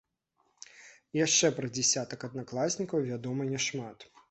Яшчэ пра дзясятак аднакласнікаў вядома няшмат.